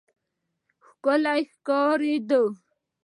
ښکلی ښکارېده.